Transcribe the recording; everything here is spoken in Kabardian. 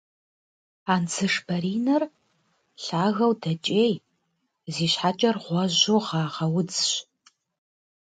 Андзышбаринэр лъагэу дэкӏей, зи щхьэкӏэр гъуэжьу гъагъэ удзщ.